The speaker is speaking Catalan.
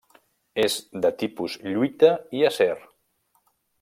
És de tipus lluita i acer.